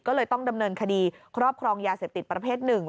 ก็เลยต้องดำเนินคดีครอบครองยาเสพติดประเภท๑